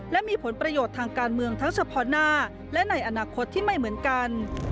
และมีผลประโยชน์ทางการเมืองทั้งเฉพาะหน้าและในอนาคตที่ไม่เหมือนกัน